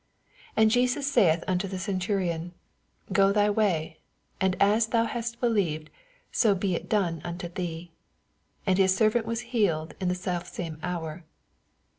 18 And Jesus saith unto the centu rion. Go thy way; and as thou hast believed, «0 be it done unto thee. And his servant was healed in the sel&ame hour.